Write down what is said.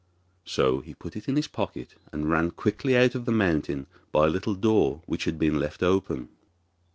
So he put it in his pocket, and ran quickly away out of the mountain by a little door which had been left open.